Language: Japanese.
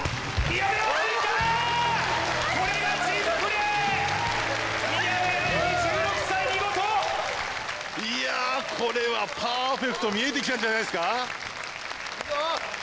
宮部藍梨１６歳見事いやーこれはパーフェクト見えてきたんじゃないですか？